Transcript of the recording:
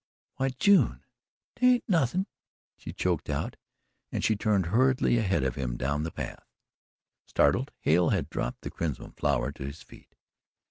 "Why, June!" "'Tain't nothin'," she choked out, and she turned hurriedly ahead of him down the path. Startled, Hale had dropped the crimson flower to his feet.